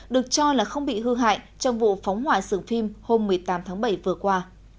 được cho là không bị hư hại trong vụ phóng hỏa sửa phim hôm một mươi tám tháng bảy vừa qua